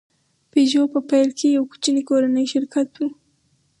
پيژو په پیل کې یو کوچنی کورنی شرکت و.